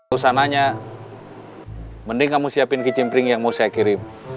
usananya mending kamu siapin kicim pring yang mau saya kirim